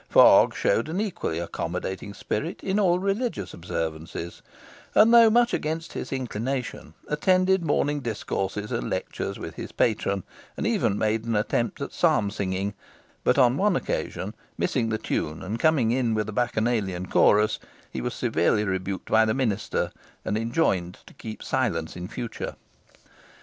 Fogg showed an equal accommodating spirit in all religious observances, and, though much against his inclination, attended morning discourses and lectures with his patron, and even made an attempt at psalm singing; but on one occasion, missing the tune and coming in with a bacchanalian chorus, he was severely rebuked by the minister, and enjoined to keep silence in future.